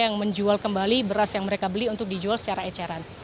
yang menjual kembali beras yang mereka beli untuk dijual secara eceran